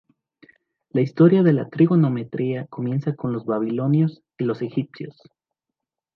La historia de la trigonometría comienza con los babilonios y los egipcios.